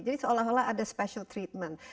jadi seolah olah ada special treatment